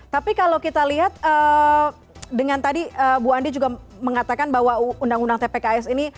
tapi kalau kita lihat dengan tadi bu andi juga mengatakan bahwa undang undang tpks ini